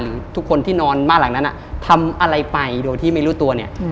หรือทุกคนที่นอนบ้านหลังนั้นทำอะไรไปโดยที่ไม่รู้ตัวเนี่ย